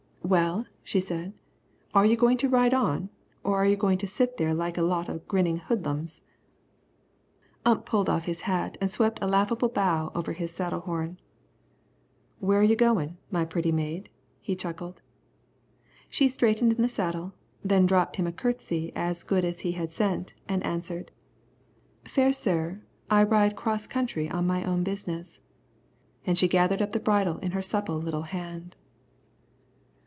"Well," she said, "are you going to ride on? Or are you going to sit there like a lot of grinning hoodlums?" Ump pulled off his hat and swept a laughable bow over his saddle horn. "Where are you goin', my pretty maid?" he chuckled. She straightened in the saddle, then dropped him a courtesy as good as he had sent, and answered, "Fair sir, I ride 'cross country on my own business." And she gathered up the bridle in her supple little hand.